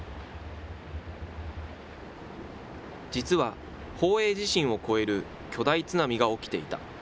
実は、宝永地震を超える巨大津波が起きていた。